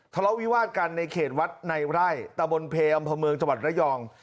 ทะเลาะวิวาดกันในเขตวัดในรายตำลบนเพอำพระเมืองจับครรภ์ระยอง